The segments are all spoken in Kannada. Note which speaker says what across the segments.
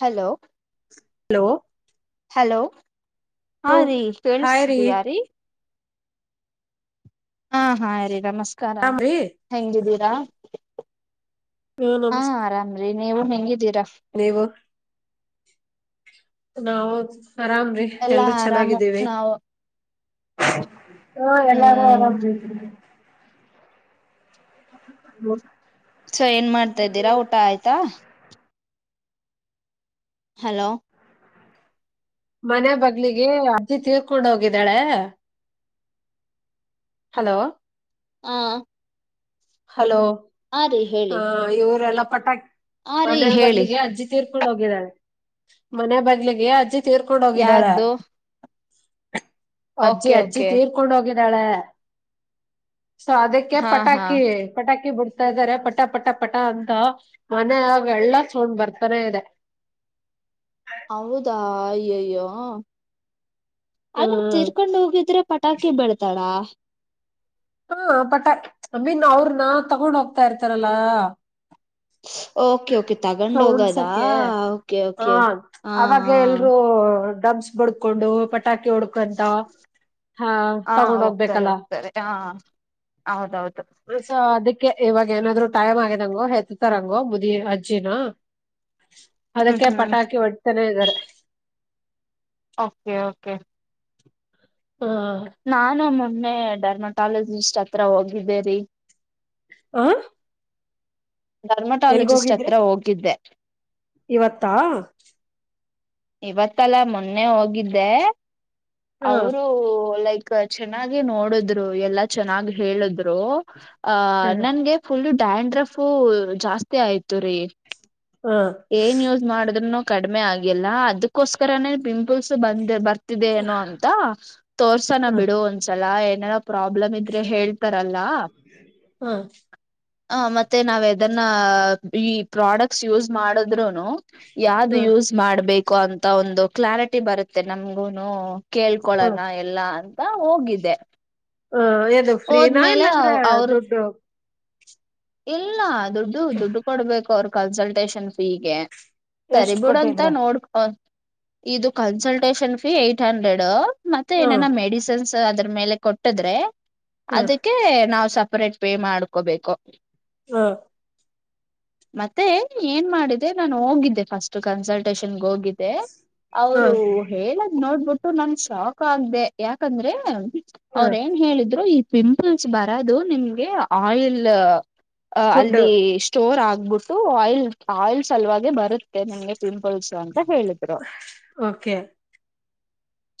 Speaker 1: ಹಲೋ.
Speaker 2: ಹಲೋ.
Speaker 1: ಹಲೋ ಹಾ ರೀ
Speaker 2: ಹಾಯ್ ರೀ
Speaker 1: ಕೇಳಸಿದಯಾರೀ. ಹಾ ಹಾ ರೀ ನಮಸ್ಕಾರ
Speaker 2: ಆರಾಮ್ ರೀ
Speaker 1: ಹೆಂಗಿದ್ದೀರಾ.
Speaker 2: ಹ್ಮ
Speaker 1: ಹಾ
Speaker 2: ನಮಸ್ತೆ
Speaker 1: ಆರಾಮ್ರಿ ನೀವು ಹೆಂಗಿದ್ದೀರಾ..
Speaker 2: ನೀವು. ನಾವು ಆರಾಮ್ರೀ
Speaker 1: ಎಲ್ಲಾ
Speaker 2: ಎಲ್ರೂ
Speaker 1: ಆರಾಮು
Speaker 2: ಚೆನ್ನಾಗಿದ್ದೀವಿ.
Speaker 1: ನಾವು
Speaker 2: [unintelligible] ಹ್ಮ ಎಲ್ಲಾರೂ
Speaker 1: ಹ್ಮ್
Speaker 2: ಅರಾಮ ರೀ. ಹ್ಮ [inaudible]
Speaker 1: ಸೊ ಏನ್ ಮಾಡ್ತಾ ಇದಿದ್ದೀರಾ ಊಟ ಆಯ್ತಾ. ಹಲೋ.
Speaker 2: ಮನೆ ಬಗ್ಲಿಗೆ ಅಜ್ಜಿ ತೀರ್ಕೊಂಡು ಹೋಗಿದ್ದಾಳೆ. ಹಲೋ.
Speaker 1: ಹಾ [inaudible]
Speaker 2: ಹಲೋ
Speaker 1: ರೀ
Speaker 2: ಹ
Speaker 1: ಹೇಳಿ
Speaker 2: ಇವರೆಲ್ಲ ಪಟಾಕ
Speaker 1: ಹಾ ರೀ
Speaker 2: ಮನೆಯ
Speaker 1: ಹೇಳಿ
Speaker 2: ಬಗ್ಲಿಗೆ ಅಜ್ಜಿ ತೀರ್ಕೊಂಡು ಹೋಗಿದಾಳೆ ಮನ ಬಗಲಿಗೆ ಅಜ್ಜಿ. ತೀರ್ಕೊಂಡ ತೀರ್ಕೊಂಡ ಹೊಗಿದಾಳೆ
Speaker 1: ಯಾರ್ದು
Speaker 2: ಅಜ್ಜಿ
Speaker 1: ಓಕೆ
Speaker 2: ಅಜ್ಜಿ ತೀರ್.
Speaker 1: ಓಕೆ
Speaker 2: ತೀರಿಕೊಂಡು ಹೋಗಿದ್ದಾಳೆ. ಸೊ ಅದಕ್ಕೆ
Speaker 1: ಹಾ ಹಾ
Speaker 2: ಪಟಾಕಿ ಪಟಾಕಿ ಬಿಡ್ ತಾ ಇದಾರೆ ಪಟ ಪಟ ಪಟ ಅಂತ ಮನ್ಯಾಗ್ ಎಲ್ಲ ಸೊಂಡ್ ಬರ್ತಾನೆ ಇದೆ.
Speaker 1: ಹೌದಾ ಅಯ್ಯಯ್ಯೋ ಆದ
Speaker 2: ಹ್ಮ್
Speaker 1: ತೀರ್ಕೊಂಡ್ ಹೋಗಿದ್ರೆ ಪಟಾಕಿ ಬೆಳ್ತಾರಾ?
Speaker 2: ಹಾ ಪಟ್ ಅಮೀನ್ ಅವ್ರನ್ನ ತಗೊಂಡ್ ಹೋಗ್ತಾ ಇರ್ತಾರಲ್ಲಾ
Speaker 1: [inaudible] ಓಕೆ ತಗೊಂಡ್ ಹೋಗದಾ
Speaker 2: ಸೌಂಡ್ಸಕ್ಕೆ
Speaker 1: ಓಕೆ ಓಕೆ
Speaker 2: ಹ
Speaker 1: ಹಾ
Speaker 2: ಅವಾಗ
Speaker 1: ಹಾ
Speaker 2: ಎಲ್ರೂ ಡಬ್ಸ್ ಬಡ್ಕೊಂಡು ಪಟಾಕಿ ಹೊಡ್ಕೊಂತ ಹ ತಗೊಂಡ್ ಹೋಗ್ಬೇಕಲ್ಲ.
Speaker 1: ದರೆ ಆ ಹೌದೌದು.
Speaker 2: ಸು ಅದಕ್ಕೆ ಇವಾಗ ಏನಾದ್ರು ಟೈಮ್ ಆಗಿದಂಗೋ ಹೆತ್ತತಾರಂಗೋ ಮುದಿ ಅಜ್ಜಿನ
Speaker 1: [inaudible]
Speaker 2: ಅದಕ್ಕೆ
Speaker 1: ಹ್ಮ್
Speaker 2: ಪಟಾಕಿ ಹೊಡೀತಾನೆ ಇದ್ದಾರೆ
Speaker 1: ಓಕೆ ಓಕೆ
Speaker 2: ಹಾ
Speaker 1: ನಾನು ಮೊಮ್ಮೆ ಡರ್ಮಟಾಲಜಿಸ್ಟ್ ಹತ್ರ ಹೋಗಿದ್ದೇರಿ.
Speaker 2: ಆ ಎಲ್ಗ
Speaker 1: ಡರ್ಮಟಾಲಜಿಸ್ಟ್
Speaker 2: ಹೋಗಿದ್ರಿ
Speaker 1: ಹತ್ರ ಹೋಗಿದ್ದೆ.
Speaker 2: ಇವತ್ತಾ?
Speaker 1: ಇವತ್ತಲ್ಲ ಮೊನ್ನೆ ಹೋಗಿದ್ದೆ
Speaker 2: ಹ
Speaker 1: ಅವರು ಲೈಕ್ ಕ್ ಚೆನ್ನಾಗಿ ನೋಡಿದ್ರು ಎಲ್ಲಾ ಚೆನ್ನಾಗಿ ಹೇಳಿದ್ರು
Speaker 2: ಹ
Speaker 1: ಆಹ್ ನಂಗೆ ಫುಲ್ಲು ಡ್ಯಾಂಡ್ರಫು ಜಾಸ್ತಿ ಆಯ್ತು ರೀ.
Speaker 2: [inaudible]
Speaker 1: ಏನ್ ಯೂಸ್ ಮಾಡಿದ್ರುನು ಕಡಿಮೆ ಆಗಿಲ್ಲ ಅದಕ್ಕೋಸ್ಕರನೇ ಪಿಂಪಲ್ಸ್ ಬಂದ ಬರ್ ತಿದೆ ಏನೋ ಅಂತ ತೋರ್ಸೋಣ
Speaker 2: ಹ
Speaker 1: ಬಿಡು ಒಂದ್ಸಲ ಏನಾರ ಪ್ರಾಬ್ಲಮ್ ಇದ್ರೆ ಹೇಳ್ ತರಲ್ಲ
Speaker 2: ಹ
Speaker 1: ಹ ಮತ್ತೆ ನಾವ್ ಎದನ್ನ ಈ ಪ್ರಾಡಕ್ಟ್ಸ್ ಯೂಸ್ ಮಾಡಿದ್ರುನು ಯಾವ್ದು
Speaker 2: ಹ
Speaker 1: ಯೂಸ್ ಮಾಡ್ಬೇಕು ಅಂತ ಒಂದು ಕ್ಲಾರಿಟಿ ಬರುತ್ತೆ ನಮ್ಗುನು ಕೇಳ್ಕೊಳೋಣ ಎಲ್ಲ ಅಂತ ಹೋಗಿದ್ದೆ.
Speaker 2: ಹ ಏನು ಫ್ರೀನಾ
Speaker 1: ಹೋದ್ಮೇಲೆ
Speaker 2: ಇಲ್ಲಾಂದ್ರೆ ದುಡ್ಡು
Speaker 1: ಇಲ್ಲಾ ದುಡ್ಡು ದುಡ್ಡು ಕೊಡ್ಬೇಕು ಅವರು ಕನ್ಸಲ್ಟೇಷನ್ ಫೀಗೆ. ಸರಿ
Speaker 2: ಎಷ್ಟ್
Speaker 1: ಬಿಡಂತ
Speaker 2: ಕೊಟ್ಟಿದ್ರ
Speaker 1: ನೋಡ್ಕೊ ಇದು ಕನ್ಸಲ್ಟೇಶನ್ ಫೀ ಏಟ್ ಹಂಡ್ರೆಡ್ ಮತ್ತೆ
Speaker 2: ಹ
Speaker 1: ಏನನ ಮೆಡಿಸನ್ಸ್ ಅದ್ರ ಮೇಲೆ ಕೊಟ್ಟಿದ್ರೆ
Speaker 2: ಹ
Speaker 1: ಅದಕ್ಕೆ ನಾವು ಸಪರೇಟ್ ಪೇ ಮಾಡ್ಕೋಬೇಕು.
Speaker 2: ಹ್ಮ
Speaker 1: ಮತ್ತೆ ಏನ್ ಮಾಡಿದೆ ನಾನು ಹೋಗಿದ್ದೆ ಫಸ್ಟ್ ಕನ್ಸಲ್ಟೇಷನ್ ಹೋಗಿ ದ್ದೆ
Speaker 2: ಹಾ
Speaker 1: ಅವ್ರು ಹೇಳದ್ ನೋಡ್ಬಿಟ್ಟು ನನ್ ಶಾಕ್ ಆಗ್ದೆ ಯಾಕಂದ್ರೆ
Speaker 2: ಹಾ
Speaker 1: ಅವ್ರ ಏನ್ ಹೇಳಿದ್ರು ಈ ಪಿಂಪಲ್ಸ್ ಬರದು ನಿಮ್ಗೆ ಆಯಿಲ್ ಅ
Speaker 2: ಫುಡ್
Speaker 1: ಅಲ್ಲಿ ಸ್ಟೋರ್ ಆಗ್ಬಿಟ್ಟು ಆಯಿಲ್ ಆಯಿಲ್ ಸಲವಾಗೆ ಬರು ತ್ತೆ ನಿಮ್ಗೆ ಪಿಂಪಲ್ಸ್ ಅಂತ ಹೇಳಿದ್ರು.
Speaker 2: ಓಕೆ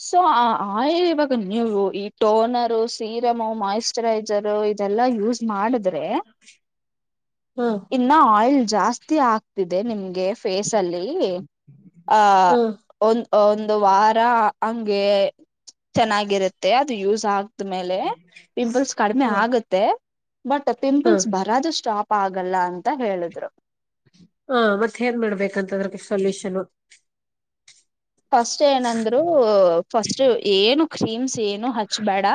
Speaker 1: ಸೊ ಆ ಆ ಆಯಿಲ್ ಇವಾಗ ನೀವು ಈ ಟೋನರು ಸೀರಮು ಮಾಯಸ್ ಚರೈಸರ್ ಇದೆಲ್ಲ ಯೂಸ್ ಮಾಡುದ್
Speaker 2: ಹ್ಮ
Speaker 1: ಇನ್ನ ಆಯಿಲ್ ಜಾಸ್ತಿ ಆ ತಿದೆ ನಿಮ್ಗೆ ಫೇಸ್ ಅಲ್ಲಿ ಆ
Speaker 2: ಹಾ
Speaker 1: ಒಂದ ಒಂದು ವಾರ ಹಂಗೆ ಚೆನ್ನಾಗಿರುತ್ತೆ ಅದು ಯೂಸ್ ಆ ತ್ರ ಮೇಲೆ ಪಿಂಪಲ್ಸ್ ಕಡಿಮೆ
Speaker 2: ಹಾ
Speaker 1: ಆಗುತ್ತೆ ಬಟ್
Speaker 2: ಹಾ
Speaker 1: ಪಿಂಪಲ್ಸ್ ಬರದು ಸ್ಟಾಪ್ ಆಗಲ್ಲ ಅಂತ ಹೇಳಿದ್ರು.
Speaker 2: ಹಾ ಮತ್ತ ಏನ್ ಮಾಡ್ಬೇಕಂತದ್ರಕ್ಕೆ ಆದ್ರೆ ಸೊಲ್ಯೂಷನ್
Speaker 1: ಫಸ್ಟ್ ಏನಂದ್ರು ಫಸ್ಟ್ ಏನು ಕ್ರೀಮ್ಸ್ ಏನು ಹಚ್ಬೇಡ.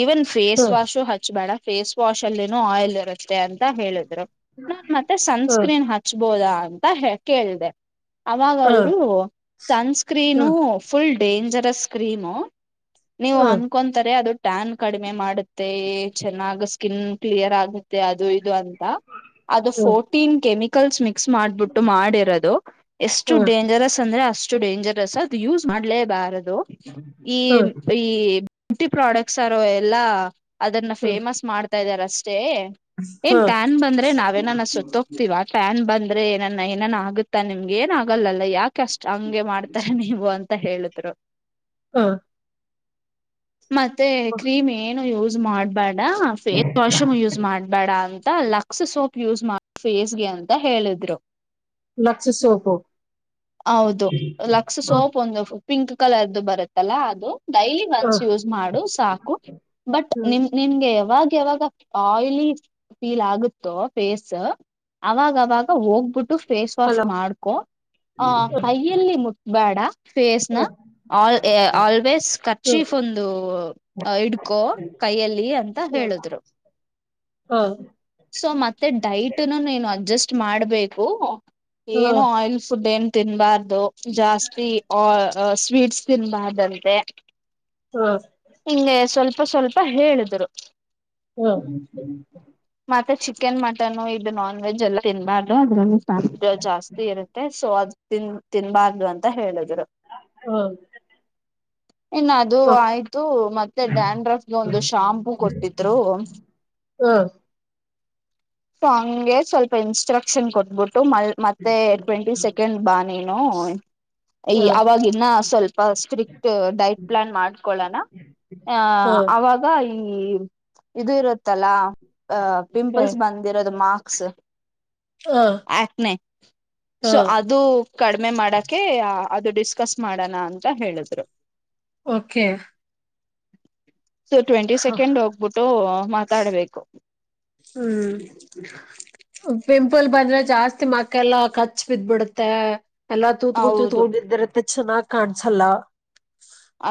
Speaker 1: ಈವನ್ ಫೇಸ್
Speaker 2: ಹಾ
Speaker 1: ವಾಶು ಹಚ್ಚಬೇಡ ಫೇಸ್ ವಾಷ್ ಅಲ್ಲಿನೂ ಆಯಿಲ್ ಇರುತ್ತೆ. ಷ್ಟೆ ಅಂತ ಹೇಳಿದ್ರು ನಾನ್ ಮತ್ತೆ
Speaker 2: ಹಾ
Speaker 1: ಸನ್ಸ್ಕ್ರೀನ್ ಹಚ್ಬೋದ ಅಂತ ಹ ಕೇಳದೆ. ಅವಾಗ
Speaker 2: ಹಾ
Speaker 1: ಅವರು ಸುಂಸ್ಕ್ರೀನ್
Speaker 2: ಹಾ
Speaker 1: ಫುಲ್ ಡೇಂಜರಸ್ ಕ್ರೀಮ್ ನೀವ
Speaker 2: ಹಾ
Speaker 1: ಅನ್ಕೊಂತಾರೆ ಅದು ಟಾನ್ಯ ಕಡಿಮೆ ಮಾಡುತ್ತೆ ಚೆನ್ನಾಗ ಸ್ಕಿನ್ ಕ್ಲಿಯರ್ ಆಗುತ್ತೆ ಅದು ಇದು ಅ ಅದು
Speaker 2: ಹಾ
Speaker 1: ಫೋರ್ಟೀನ್ ಕೆಮಿಕಲ್ಸ್ ಮಿಕ್ಸ್ ಮಾಡ್ಬಿಟ್ಟು ಮಾಡಿರೋದು. ಎಷ್ಟು
Speaker 2: ಹಾ
Speaker 1: ಡೇಂಜರಸ್ ಅಂದ್ರೆ ಅಷ್ಟು ಡೇಂಜರಸ್ ಅದು ಯೂಸ್ ಮಾಡಲೇಬಾರದು.
Speaker 2: ಹಾ
Speaker 1: ಇನ್ ಇ ಬ್ಯೂಟಿ ಪ್ರಾಡಕ್ಟ್ಸರು ಎಲ್ಲಾ ಅದನ್ನ ಫೇಮಸ್ ಮಾಡ್ತಾ ಇದಾರ ಅಷ್ಟೇ. ಏನ್
Speaker 2: ಹಾ
Speaker 1: ಟ್ಯಾನ್ ಬಂದ್ರೆ ನಾವೇನನ್ನ ಸತ್ತ ಹೋಗ್ತಿವ. ಫ್ಯಾನ್ ಬಂದ್ರೆ ನನ್ನ ಏನಾನ ಆಗುತ್ತಾ ನಿಮ್ಗೆ ಏನ್ ಆಗಲ್ಲಲ್ಲ ಯಾಕೆ ಅಷ್ಟ ಹಂಗೆ ಮಾಡ್ತಾ ನೀವು ಅಂತ ತ ಹೇಳಿದ್ರು
Speaker 2: ಹ
Speaker 1: ಮತ್ತೆ ಕ್ರೀಮ್ ಏನು ಯೂಸ್ ಮಾಡ್ಬೇ ಣಾ ಫೇಸ್ ವಾಷ ಯೂಸ್ ಮಾಡ್ಬೇಡ ಅಂತ ಲ ಕ್ಸ್ ಸೋಪ್ ಯೂಸ್ ಮಾಡ ಫೇಸ್ಗೆ ಅಂತ ಹೇಳಿದ್ರು.
Speaker 2: Lux soap.
Speaker 1: ಹೌದು ಲಕ್ಸ್
Speaker 2: ಹ
Speaker 1: ಸೋಪ್ ಒಂದು ಪಿಂಕ್ ಕಲರ್ದು ಬರುತ್ತಲ್ಲ ಅದು. ಡೈಲಿ ಒನ್ಸ್ ಯೂಸ್ ಮಾಡು ಸಾಕು. ಬಟ್ ನಿಮ್ ನಿನ್ಗೆ ಯಾವಾಗ ಯಾವಾಗ ಆಯಿಲಿ ಫೀಲ್ ಆಗುತ್ತೋ ಫೇಸ್ ಅವಾಗವಾಗ ಹೋಗ್ಬಿಟ್ಟು ಫೇಸ್ ವಾಶ್
Speaker 2: ಹಲೋ
Speaker 1: ಮಾಡ್ಕೊ ಆ ಕೈಯಲ್ಲಿ ಮುಟ್ಬೇಡ
Speaker 2: ಹ
Speaker 1: ಫೇಸ್ನ ಆಲ್ ಆಲ್ವೇಸ್
Speaker 2: ಹ್ಮ್
Speaker 1: ಕರ್ಚೀಫ್ ಒಂದು ಅ ಇಡ್ಕೋ ಕೈಯಲ್ಲಿ ಅಂತ
Speaker 2: ಹಾ
Speaker 1: ಹೇಳಿದ್ರು.
Speaker 2: ಹಾ
Speaker 1: ಸೊ ಮತ್ತೆ ಡೈಟ್ನುನ ನೀನ ಅಡ್ಜಸ್ಟ್ ಮಾಡ್ಬೇಕು
Speaker 2: ಹಾ ಹಾ
Speaker 1: ಏನು ಆಯಿಲ್ ಫುಡ್ ಏನ್ ತಿನ್ಬಾರ್ದು. ಜಾಸ್ತಿ ಆ ಆ ಸ್ವೀಟ್ಸ್ ತಿನ್ಬಾರ್ದಂತೆ.
Speaker 2: ಹ್ಮ.
Speaker 1: ಹಿಂಗೆ ಸ್ವಲ್ಪ ಸ್ವಲ್ಪ ಹೇಳಿದ್ರು.
Speaker 2: ಹ್ಮ
Speaker 1: ಮತ್ತೆ ಚಿಕನ್ ಮಟನ್ ಇದು ನಾನ್ ವೆಜ್ ಎಲ್ಲ ತಿನ್ಬಾರ್ದು ಅದರಲ್ಲಿ [unintelligible] ಜಾಸ್ತಿ ಇರುತ್ತೆ ಸೊ ಅದ ತಿನ್ ತಿನ್ಬಾರ್ದು ಅಂತ ಹೇಳಿದ್ರು.
Speaker 2: ಹ್ಮ
Speaker 1: ಇನ್ನ ಅದು ಆಯ್ತು ಮತ್ತೆ ಡ್ಯಾನರದ ಒಂದ ಶಾಂಪೂ ಕೊಟ್ಟಿದ್ರು.
Speaker 2: ಹ
Speaker 1: ಅಂಗೇ ಸ್ವಲ್ಪ ಇನ್ಸ್ಟ್ರಕ್ಷನ್ ಕೊಟ್ಬಿಟ್ಟು ಮಲ್ ಮತ್ತೆ ಟ್ವೆಂಟಿ ಸೆಕೆಂಡ್ ಬಾ ನೀನು ಈ ಅವಾಗಿನ್ನ ಸ್ವಲ್ಪ ಸ್ಟ್ರಿಕ್ಟ್ ಡೈಟ್ ಪ್ಲಾನ್ ಮಾಡ್ಕೊಳೋಣ. ಆ
Speaker 2: ಹಾ
Speaker 1: ಅವಾಗ ಈ ಇದು ಇರುತ್ತಲ್ಲ ಅ ಪಿಂಪಲ್ಸ್. ಬಂದಿರೋದು ಮಾರ್ಕ್ಸ್
Speaker 2: ಹಾ
Speaker 1: ಆಕ್ನ
Speaker 2: ಹಾ
Speaker 1: ಸೊ ಅದು. ಕಡಿಮೆ ಮಾಡೋಕೆ ಅದು ಡಿಸ್ಕಸ್ ಮಾಡೋಣ ಅಂತ ಹೇಳಿದ್ರು.
Speaker 2: ಓಕೆ.
Speaker 1: ಸೊ ಟ್ವೆಂಟಿ ಸೆಕೆಂಡ್ ಹೋಗ್ ಬಿಟ್ಟು ಮಾತಾಡ್ಬೇಕು.
Speaker 2: ಹುಂ ಪಿಂಪಲ್ ಬಂದ್ರೆ ಜಾಸ್ತಿ ಮಕ್ಕಾ ಎಲ್ಲಾ ಕಚ್ ಬಿದ್ದ ಬಿಡತ್ತೆ. ಎಲ್ಲಾ ತೂತ್ಕ
Speaker 1: ಹೌದು
Speaker 2: ತೂತ್ಕೊಂಡಿದ್ದಿರತ್ತೆ ಚೆನ್ನಾಗ್ ಕಾಣ್ಸಲ್ಲಾ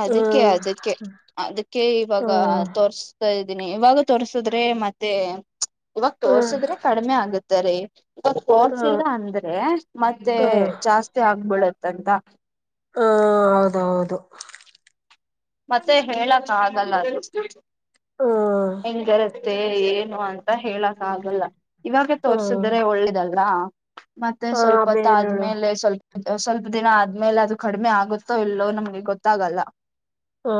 Speaker 1: ಅದಕ್ಕೆ ಅದಕ್ಕೆ ಅದಕ್ಕೆ ಇವಾಗ
Speaker 2: ಹ್ಮ್
Speaker 1: ತೋರ್ಸ್ ಇದ್ದೀನಿ ಇವಾಗ ತೋರ್ಸುದ್ರೆ ಮತ್ತೆ ಇವಾಗ
Speaker 2: ಹ್ಮ್
Speaker 1: ತೋರ್ಸುದ್ರೆ ಕಡಿಮೆ ಆಗುತ್ತೆ. ಅಂದ
Speaker 2: ಹ್ಮ್ ಹ್ಮ್
Speaker 1: ತೋರ್ಸಿಲ್ಲಾ ಅಂದ್ರೆ ಮತ್ತೆ
Speaker 2: ಹ್ಮ್
Speaker 1: ಜಾಸ್ತಿ ಆಗ್ಬಿಡತ್ತಂತಾ.
Speaker 2: ಹ ಹೌದೌದು.
Speaker 1: ಮತ್ತೆ ಹೇಳಕ್ ಆಗಲ್ಲಾ ಅದು
Speaker 2: ಹ್ಮ್
Speaker 1: ಹೆಂಗ ಮತ್ತೆ ಏನು ಅಂತ ಹೇಳಕ್ ಆಗಲ್ಲ ಇವಾಗ
Speaker 2: ಹ್ಮ್
Speaker 1: ತೋರ್ಸಿದ್ರೆ ಒಳ್ಳಿದಲ್ಲಾ. ಮತ್ತೆ
Speaker 2: ಹ
Speaker 1: ಸ್ವಲ್ಪ ಹೊತ್ತ
Speaker 2: ಆಮೇಲೆ ಹೇಳು
Speaker 1: ಆದ್ಮೇಲೆ ಸ್ವಲ್ಪ ಸ್ವಲ್ಪ ದಿನ ಆದ್ಮೇಲೆ ಅದು ಕಡಿಮೆ ಆಗುತ್ತೆ ಇಲ್ಲೋ ನಮ್ಗೆ ಗೊತ್ತಾಗಲ್ಲಾ.
Speaker 2: ಹಾ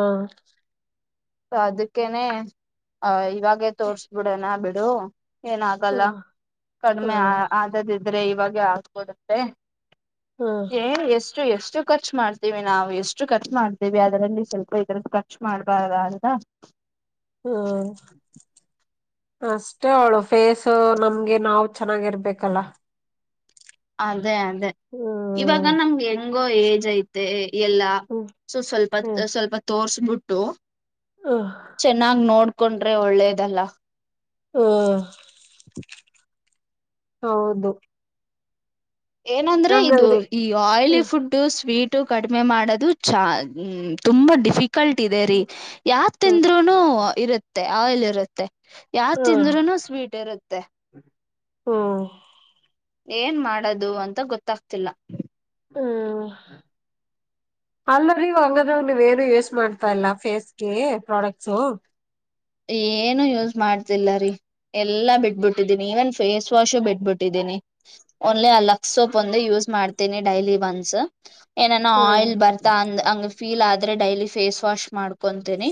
Speaker 1: ಅದಕ್ಕೇನೆ ಆ ಇವಾಗೇ ತೋರ್ಸ್ ಬಿಡೋನಾ ಬಿಡು. ಏನಾಗಲ್ಲಾ
Speaker 2: ಹ್ಮ್
Speaker 1: ಕಡಿಮೆ
Speaker 2: ಹ್ಮ್
Speaker 1: ಆದದಿದ್ರೆ ಇವಾಗೆ ಆಗ್ಬೋಹದತ್ತೆ.
Speaker 2: ಹ್ಮ್
Speaker 1: ಏನ್ ಎಷ್ಟು ಎಷ್ಟು ಖರ್ಚು ಮಾಡ್ತೀವಿ ನಾವು ಎಷ್ಟು ಖರ್ಚು ಮಾಡ್ತೀವಿ ಅದರಲ್ಲಿ. ಸ್ವಲ್ಪ ಇದ್ರ ಖರ್ಚು ಮಾಡ್ಬಾರ್ದ ಅಯ್ತ.
Speaker 2: ಹಾ ಅಷ್ಟೇ ಅವಳು ಫೇಸ್ ನಮ್ಗೆ ನಾವು ಚೆನ್ನಾಗಿರ್ಬೇಕಲ್ಲಾ
Speaker 1: ಅದೇ ಅದೇ
Speaker 2: ಹ್ಮ್
Speaker 1: ಇವಾಗ ನಮ್ಗೆ ಹೆಂಗೋ ಏಜ್ ಐತೆ ಎಲ್ಲಾ
Speaker 2: ಹ್ಮ್
Speaker 1: ಸೊ ಸ್ವಲ್ಪ ಸ್ವಲ್ಪ ತೋರ್ಸ್ಬಿಟ್ಟು.
Speaker 2: ಹಾ
Speaker 1: ಚೆನ್ನಾಗಿ ನೋಡ್ಕೊಂಡ್ರೆ ಒಳ್ಳೇದಲಾ
Speaker 2: ಓ ಹೌದು
Speaker 1: ಏನಂದ್ರೆ ಇದು
Speaker 2: ಹಂಗಾದ್ರೆ
Speaker 1: ಈ ಆಯಿಲಿ
Speaker 2: ಹ್ಮ್
Speaker 1: ಫುಡ್ ಸ್ವೀಟ್ ಕಡಿಮೆ ಮಾಡೋದು ಚಾ ತುಂಬ ಡಿಫ ಡಿಫಿಕಲ್ಟ್ ಇದೇರಿ ಯಾದು
Speaker 2: ಹ್ಮ್
Speaker 1: ತಿಂದ್ರೂನು ಇರುತ್ತೆ ಆಯಿಲ್ ಇರುತ್ತೆ. ಯಾವ್ದು ತಿಂದ್ರೂನು ಸ್ವೀಟ್ ಇರುತ್ತೆ.
Speaker 2: ಹುಂ
Speaker 1: ಏನ್ ಮಾಡೋದು ಅಂತಾ ಗೊತ್ತಾಗತಾ ಇಲ್ಲಾ
Speaker 2: ಹುಂ ಅಲ್ಲರಿ ಹಂಗಾದ್ರಾಗ ನೀವ ಏನು ಯೂಸ್ ಮಾಡ್ತಾ ಇಲ್ಲ ಫೇಸ್ ಗೆ ಪ್ರಾಡಕ್ಟ್ಸು.
Speaker 1: ಏನು ಯೂಸ್ ಮಾಡ್ತಿಲ್ಲಾ ರೀ. ಎಲ್ಲಾ ಬಿಟ್ಬಿಟ್ಟಿದ್ದೀನಿ ಈವನ್ ಫೇಸ್ ವಾಶು ಬಿಟ್ಬಿಟ್ಟಿದ್ದೀನಿ ಓನ್ಲಿ ಅಲ್ಲೊ. ಸೋಪ್ ಒಂದು
Speaker 2: ಹ್ಮ್
Speaker 1: ಯೂಸ್ ಮಾಡ್ತೀನಿ ಡೈಲಿ ಒಂದಸ್ ಏನಾನ ಆಯಿಲ್
Speaker 2: ಹ್ಮ್
Speaker 1: ಬರ್ತಾ ಅಂದ ಹಂಗ ಫೀಲ್ ಆದ್ರೆ ಡೈಲಿ ಫೇಸ್ ವಾಶ್ ಮಾಡ್ಕೊತೀನಿ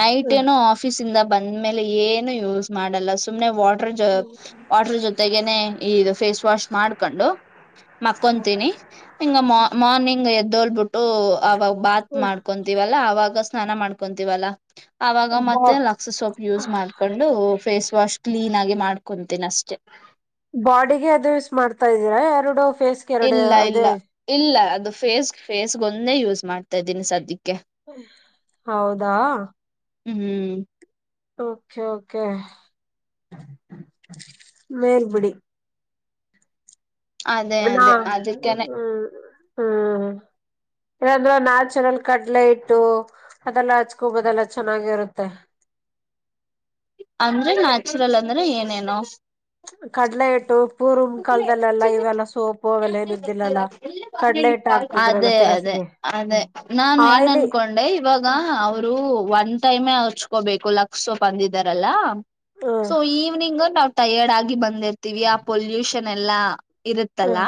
Speaker 1: ನೈಟ್ ಏನೋ ಆ ಆಫೀಸ್ ಇಂದ ಬಂದ ಮೇಲೆ ಏನು ಯೂಸ್ ಮಾಡಲ್ಲಾ ಸುಮ್ನೆ ವಾಟರ್
Speaker 2: ಹ್ಮ್
Speaker 1: ವಾಟರ್ ಜೊ ಜೊತೆಗನೆ ಇದು ಫೇಸ್ ವಾಶ್ ಮಾಡ್ಕೊಂಡು ಮಕ್ಕಂತೀನಿ. ಹಿಂಗ ಮಾರ್ನಿಂಗ್ ಎದ್ದೋಲ್ಬಿಟ್ಟು ಅವಾಗ ಬಾತ್ ಮಾಡ್ಕೊ ತಿವಲ್ಲಾ ಅವಾಗ ಸ್ನಾನ ಮಾಡ್ಕೊಂತೀವಲ್ಲಾ ಅವಾಗ
Speaker 2: ಬಾ
Speaker 1: ಮತ್ತೆ ಲಕ್ಸ್ ಸೋಪ್ ಯೂಸ್ ಮಾಡ್ ಹಾಕೊಂಡು ಫೇಸ್ ವಾಶ್ ಕ್ಲೀನ್ ಆಗಿ ಮಾಡ್ಕೊಂತೀನ ಅಷ್ಟೇ.
Speaker 2: ಬಾಡಿಗೆ ಅದು ಯೂಸ್ ಮಾಡ್ತಾ ಇದೀರಾ ಎರಡು ಫೇಸ್
Speaker 1: ಇಲ್ಲಾ ಇಲ್ಲಾ ಇಲ್ಲ ಅದು ಫೇಸ್ ಫೇಸ್ಗೊಂದೆ ಯೂಸ್ ಮಾಡ್ತಾ ಇದ್ದೀನಿ ಸದ್ಯಕ್ಕೆ
Speaker 2: [inaudible] ಹೌದಾ
Speaker 1: ಹ್ಮ್ಮ್
Speaker 2: ಓಕೆ ಓಕೆ [inaudible] ಮೇಲ್ಬಿಡಿ
Speaker 1: ಅದೇ
Speaker 2: ನಾ
Speaker 1: ಅದೇ ಅದಕ್ಕೇನೆ
Speaker 2: ಹ ಹ್ಮ ಇಲ್ಲಂದ್ರೆ ನ್ಯಾಚುರಲ್ ಕಡ್ಲೆ ಇಟ್ಟು ಅದೆಲ್ಲ ಹಚ್ಕೊಬೋದಲ್ಲ ಚೆನ್ನಾಗಿರುತ್ತೆ
Speaker 1: ಅಂದ್ರೆ ನ್ಯಾಚುರಲ್ ಅಂದ್ರೆ ಏನೇನೂ
Speaker 2: ಕಡ್ಲೆ ಹಿಟ್ಟು ಪೂರ್ವ ಕಾಲದಲ್ಲೆಲ್ಲಾ ಇವೆಲ್ಲ ಸೋಪು ಅವೆಲ್ಲ ಏನು ಇದ್ದಿಲ್ಲಲ್ಲ ಕಡ್ಲೆ ಇಟ್ಟ ಹಾಕ್ತಿದ್ರಲ್ಲ
Speaker 1: ಅದೇ ಅದೇ
Speaker 2: ಫೇಸ್ಗೆ
Speaker 1: ಅದೇ
Speaker 2: ಹ್ಮ್
Speaker 1: ನಾನು ಏನ್
Speaker 2: ಆಯ್ಲಿ
Speaker 1: ಅನ್ಕೊಂಡೆ ಇವಾಗ ಅವರು ಒನ್ ಟೈಮೆ ಹಚು ಕೊಬೇಕು ಲಕ್ಷ ಸೊಪ್ ಅಂದಿದಾರಲ್ಲಾ
Speaker 2: ಹ್ಮ್
Speaker 1: ಸೊ ಈವ್ನಿಂಗ್ ನಾವ್ ಟಯರ್ಡ್ ಆಗಿ ಬಂದ್ ಬಂದಿರ್ತೀವಿ ಆ ಪಲ್ಯೂಷನ್ ಎಲ್ಲಾ ಇರುತ್ತಲ್ಲಾ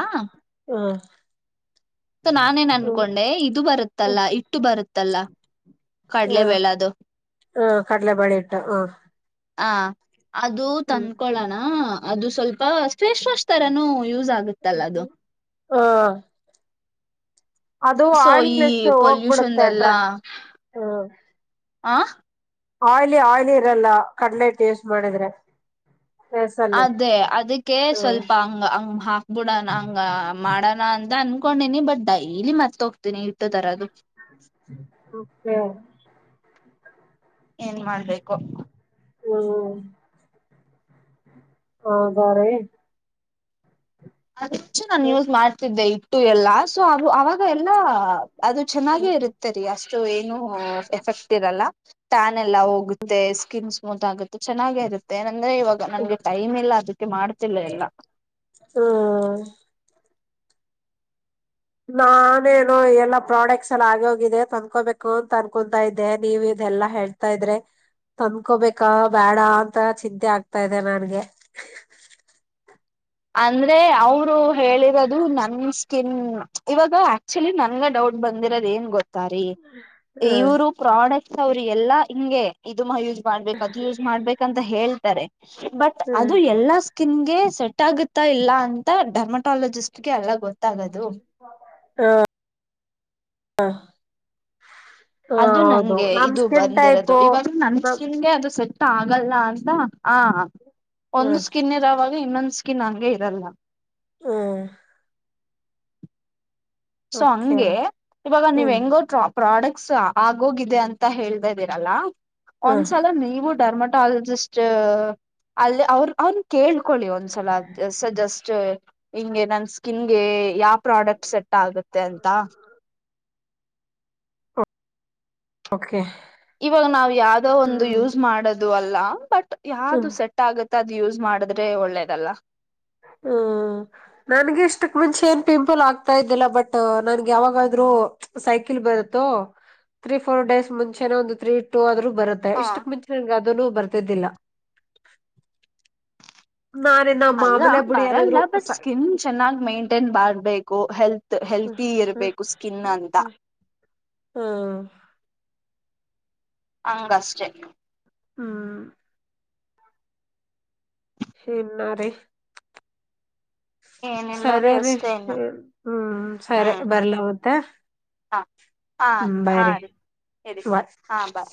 Speaker 2: ಹಾ.
Speaker 1: ತ್ತೊ ನಾನೇನ್ ಅನ್ಕೊಂಡೆ ಇದು
Speaker 2: ಹ್ಮ್
Speaker 1: ಬರುತ್ತಲ್ಲಾ ಹಿಟ್ಟು ಬರುತ್ತಲ್ಲಾ ಕಡ್ಲೆ
Speaker 2: ಹ್ಮ್
Speaker 1: ಬೆಳಾದು [inaudible]
Speaker 2: ಹ್ಮ್ ಕಡ್ಲೆಬೇಳೆ ಹಿಟ್ಟು
Speaker 1: ಆ ಅದು
Speaker 2: ಹ್ಮ್
Speaker 1: ತಂದ್ಕೊಳೋಣಾ ಅದು ಸ್ವಲ್ಪ ಫೇಸ್ ವಾಶ್ ತರಾನೂ ಯೂಸ್ ಆಗುತ್ತಲ್ಲ ಅದು
Speaker 2: ಹ್ಮಾ
Speaker 1: ಸೊ ಈ
Speaker 2: ಆಯಿಲ್ನೆಸ್
Speaker 1: ಪೊಲ್ಯೂಷನ್
Speaker 2: ಹೋಗ್ಬಿಡುತ್ತೆ ಡ್ರ
Speaker 1: ಎಲ್ಲಾ
Speaker 2: ಹ್ಮ್
Speaker 1: [inaudible] ಆ
Speaker 2: ಆಯ್ಲಿ ಆಯ್ಲಿ ಇರಲ್ಲ ಕಡಲೆ ಹಿಟ್ಟ ಯೇಸ್ಟ್ ಮಾಡಿದ್ರೆ. ಫೇಸ್ ಅಲ್ಲಿ
Speaker 1: ಅದೇ ಅದಿಕ್ಕೆ
Speaker 2: ಹ್ಮ್
Speaker 1: ಸ್ವಲ್ಪಾ ಅಂಗ ಹಂಗ ಹಾಕ್ಬುಡಣಾ ಹಂಗ ಮಾಡೋಣಾ ಅಂತ ಅನ್ಕೊಂಡನಿ ಬಟ್ ಡೈಲಿ ಮರ್ತೊ ತ್ತಿನಿ ಹಿಟ್ಟ ತರದು
Speaker 2: [unintelligible]
Speaker 1: ಏನ್ ಮಾಡ್ಬೇಕೊ
Speaker 2: [unintelligible] ಹೌದಾ ರೀ
Speaker 1: ಅಚ್ಚೂ ನಾನು ಯೂಸ್ ಮಾಡ್ತಿದ್ದೆ ಹಿಟ್ಟು ಎಲ್ಲಾ ಸೊ ಅದು ಅವಾಗ ಈಗ ಎಲ್ಲಾ ಅದು ಚೆನ್ನಾಗೆ ಇರತ್ತೆರಿ ಅಷ್ಟು ಏನು ಎಫೆಕ್ಟ್ ಇರಲ್ಲಾ ಟ್ಯಾನ ಎಲ್ಲಾ ಹೋಗುತ್ತೆ ಸ್ಕಿನ್ ಸ್ಮೂತ್ ಆಗತ್ ಚೆನ್ನಾಗೆ ಇರುತ್ತೆ ಏನಂದ್ರೆ ಇವಾಗ ನನ್ಗೆ ಟೈಮ್ ಇಲ್ಲಾ ಅದಕ್ಕೆ ಮಾಡ್ತಿಲ್ಲ ಎಲ್ಲಾ
Speaker 2: ಹಾ ನಾನೇನೊ ಎಲ್ಲಾ ಪ್ರಾಡಕ್ಟ್ಸ್ ಎಲ್ಲ ಆಗಿ ಹೋಗಿದೆ ತಂದ್ಕೋಬೇಕು ಅಂತ ಅನ್ಕೊತಾ ಇದ್ದೆ ನೀವ ಇದೆಲ್ಲ ಹೇಳ್ ತಾ ಇದ್ರೆ ತಂದ್ಕೋಬೇಕಾ ಬ್ಯಾಡಾ ಅಂತ ಚಿಂತೆ ಆಗ್ತಾ ಇದೆ ನನ್ಗೆ.
Speaker 1: ಅಂದ್ರೆ ಅವರು ಹೇಳಿರೋದು ನನ್ ಕಿನ್ ಇವಾಗ ಆಕ್ಚುಲಿ ನನ್ಗ ಡೌಟ್ ಬಂದಿರೋದ ಏನ್ ಗೊತ್ತಾರಿ
Speaker 2: ಹ್ಮ
Speaker 1: ಇವ್ರು ಪ್ರಾಡಕ್ಟ್ಸ್ ಅವ್ರ ಎಲ್ಲಾ ಹಿಂಗೆ ಇದು ಯೂಸ್ ಮಾಡ್ಬೇಕ್ ಅದು ಯೂಸ್ ಮಾಡ್ಬೇಕಂತ ಹೇಳ್ತಾರೆ ಬಟ್ ಅದು
Speaker 2: ಹ್ಮ್
Speaker 1: ಎಲ್ಲಾ ಸ್ಕಿನ್ ಗೆ ಸೆಟ್ ಸೆಟ್ಟಾಗುತ್ತಾ ಇಲ್ಲಾ ಅಂತ ಡರ್ಮಟಾಲಜಿಸ್ಟ್ ಗೆ ಎಲ್ಲಾ ಗೊತ್
Speaker 2: [inaudible] ಹ್ಮ. [unintelligible]
Speaker 1: ಅದು
Speaker 2: ಹೌದು
Speaker 1: ನಂಗೆ
Speaker 2: ನಮ್
Speaker 1: ಇದು
Speaker 2: ಸ್ಕಿನ್
Speaker 1: ಬಂದಿರೋದು
Speaker 2: ಟೈಪು
Speaker 1: ಇವಾಗ ನನ್
Speaker 2: ನಮ್
Speaker 1: ಸ್ಕಿನ್ ಗೆ ಅದು ಸೆಟ್ ಟ್ ಆಗಲ್ಲ ಅಂತ ಆ ಒಂದು
Speaker 2: ಹ್ಮ್
Speaker 1: ಸ್ಕಿನ್ ಇರವಾಗ ಇನ್ನೊಂದು ಸ್ಕಿನ್ ಹಂಗೆ ಇರಲ್ಲಾ
Speaker 2: ಹ್ಮ್ಹೂ.
Speaker 1: ಸೊ
Speaker 2: ಓಕೆ
Speaker 1: ಹಂಗೆ ಇವಾಗ ನೀವ್
Speaker 2: ಹ್ಮ್
Speaker 1: ಹೆಂಗೋ ಟ್ರಾಪ್ ಪ್ರಾಡಕ್ಟ್ಸ್ ಆಗೋಗಿದೆ ಅಂತ ಹೇಳ್ತಾ ಇದ್ದೀರಲ್ಲ
Speaker 2: ಹ್ಮ್
Speaker 1: ಒಂದ್ಸಲ ನೀವು ಡರ್ಮ ಟಾಲಜಿಸ್ಟ್ ಅಲ್ಲಿ ಅವ್ರ ಅವರನ್ನ ಕೇಳ್ಕೊಳ್ಳಿ ಒಂದ್ಸಲ ಸ್ ಜಸ್ಟ್ ಹಿಂಗೆ ನನ್ ಸ್ಕಿನ್ ಗೆ ಯಾವ ಪ್ರಾಡಕ್ಟ್ ಸೆಟ್ ಆಗುತ್ತೆ ಅಂತ.
Speaker 2: ಓಕೆ.
Speaker 1: ಇವಾಗ ನಾವು ಯಾವ್ದೋ ಒಂದು
Speaker 2: ಹ್ಮ್
Speaker 1: ಯೂಸ್ ಮಾಡೋದು ಅಲ್ಲ ಬಟ್
Speaker 2: ಹ್ಮ್
Speaker 1: ಯಾವ್ದು ಸೆಟ್ ಆಗುತ್ ತ್ ಅದ್ ಯೂಸ್ ಮಾಡಿದ್ರೆ ಒಳ್ಳೇದಲ್ಲ
Speaker 2: ಹ್ಮ್. ನನ್ಗೆ ಇಷ್ಟಕ್ ಮುಂಚೆ ಏನ್ ಪಿಂಪಲ್ ಆಗ್ತಾ ಇದ್ದಿಲ್ಲ ಬಟ್ ನನ್ಗೆ ಯಾವಾಗದರೂ ಸೈಕಲ್ ಬರುತ್ತು ತ್ರೀ ಫೋರ್ ಡೇಸ್ ಮುಂಚೆನೆ ಒಂದು ತ್ರೀ ಟೂ ಆದ್ರೂ ಬರುತ್ ತೆ
Speaker 1: ಹ
Speaker 2: ಇಷ್ಟಕ್ ಮುಂಚೆ ನನ್ಗೆ ಅದನು ಬರ್ತಿದ್ದಿಲ್ಲ. ನಾ ನಿನ್ನ
Speaker 1: ಅಲ್ಲ ಬರಲ್ಲ ಬಟ್ ಸ್ಕಿನ್ ಚೆನ್ನಾಗ್ ಮೇಂಟೈನ್ ಮಾಡ್ಬೇಕು ಹೆಲ್ತ್ ಹೆಲ್ತಿ ಇರ್ಬೇಕು ಸ್ಕಿನ್ ಅಂತ.
Speaker 2: ಹ್ಮ್.
Speaker 1: ಅಂಗ್ ಅಷ್ಟೇ.
Speaker 2: ಹ್ಮ್. ಹೆನ್ನಾರಿ.
Speaker 1: ಏನಿಲ್ಲ
Speaker 2: ಸರಿ ರೀ
Speaker 1: ಅಷ್ಟೇನ
Speaker 2: ಹ್ಮ್ ಹ್ಮ್ ಸರಿ ಬರ್ಲ ಮತ್ತೆ.
Speaker 1: ಹಾ ಹಾ
Speaker 2: ಹ್ಮ್ ಬಾಯ್
Speaker 1: ಹಾ ರೀ ಹೇಳಿ ರೀ
Speaker 2: ಬಾಯ್
Speaker 1: ಹಾ ಬಾ